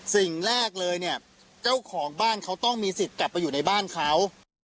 สิ่งแรกเลยเนี่ยเจ้าของเจ้าของต้องมีสิทธิ์จับไปในบ้านเขา